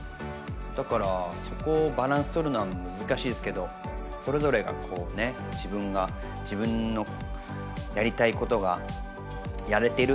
だからそこをバランスとるのは難しいですけどそれぞれがこうね自分のやりたいことがやれてる。